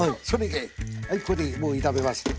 はいこれでもう炒めます。